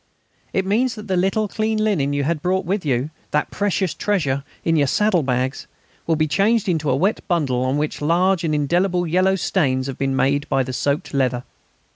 It means that the little clean linen you have brought with you that precious treasure in your saddlebags, will be changed into a wet bundle on which large and indelible yellow stains have been made by the soaked leather.